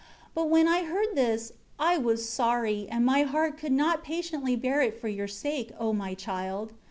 17 But when I heard this, I was sorry; and my heart could not patiently bear it for your sake, O my child.